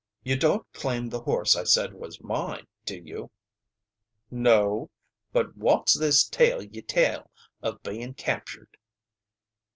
You don't claim the horse I said was mine, do you?" "No. But wot's this tale ye tell of bein' captured?"